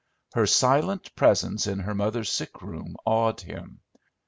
Her silent presence in her mother's sick room awed him.